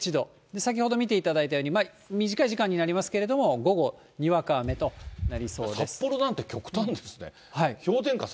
先ほど見ていただいたように、短い時間になりますけれども、午後、札幌なんて極端ですね。